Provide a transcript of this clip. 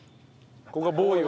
ここはボーイは。